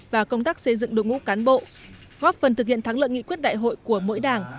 và công tác xây dựng đội ngũ cán bộ góp phần thực hiện thắng lợi nghị quyết đại hội của mỗi đảng